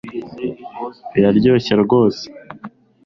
Biraryoshe rwose